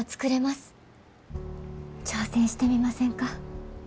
挑戦してみませんか？